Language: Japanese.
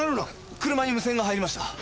車に無線が入りました。